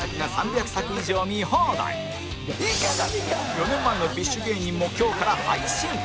４年前の ＢｉＳＨ 芸人も今日から配信